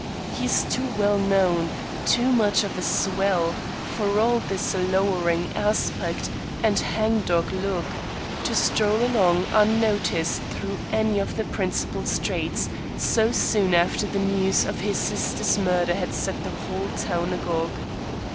"He's too well known, too much of a swell for all his lowering aspect and hang dog look, to stroll along unnoticed through any of the principal streets, so soon after the news of his sister's murder had set the whole town agog.